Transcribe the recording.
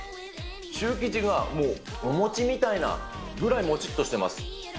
シュー生地がもうお餅ぐらい、もちっとしてます。